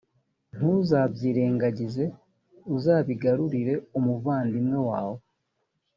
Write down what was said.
ntuzabyirengagize uzabigarurire umuvandimwe wawe